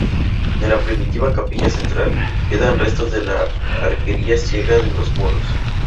De la primitiva capilla central quedan restos de la arquería ciega en los muros.